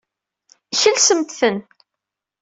Kelsemt-ten.